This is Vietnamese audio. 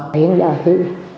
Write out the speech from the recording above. bây giờ thị